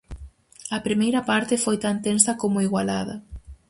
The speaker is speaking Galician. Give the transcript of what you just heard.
A primeira parte foi tan tensa como igualada.